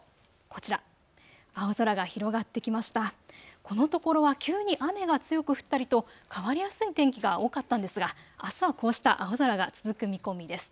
このところは急に雨が強く降ったりと変わりやすい天気が多かったんですがあすはこうした青空が続く見込みです。